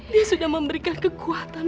dia sudah memberikan kekuatan